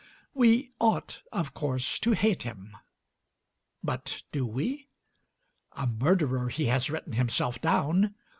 We ought, of course, to hate him, but do we? A murderer he has written himself down.